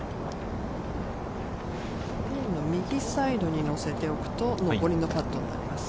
ピンの右サイドに乗せておくと、上りのパットになります。